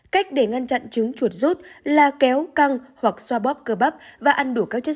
cách để ngăn chặn chứng chùa sút là kéo căng hoặc xoa bóp cơ bắp và ăn đủ các chất